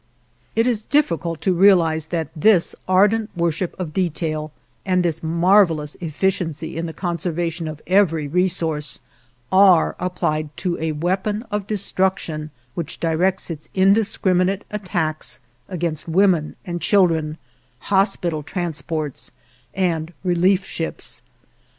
It is difficult to realize that this ardent worship of detail, and this marvelous efficiency in the conservation of every resource, are applied to a weapon of destruction which directs its indiscriminate attacks against women and children, hospital transports, and relief ships.